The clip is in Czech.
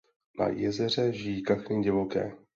Na jezeře žijí kachny divoké.